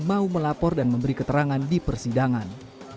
mau melapor dan memberi keterangan di persidangan